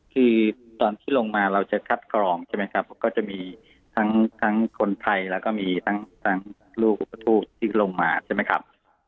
คือตอนที่ลงมาเราจะคัดกรองใช่ไหมครับก็จะมีทั้งคนไทยแล้วก็มีทั้งลูกอุปทูตที่ลงมาใช่ไหมครับ